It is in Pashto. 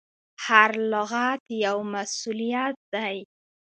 هر لغت یو مسؤلیت دی.